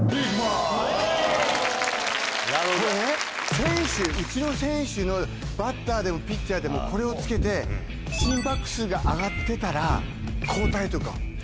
これねうちの選手のバッターでもピッチャーでもこれを付けて心拍数が上がってたら交代とか。